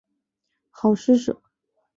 好施舍。